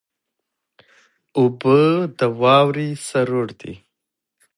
اوبه د واورې سرور دي.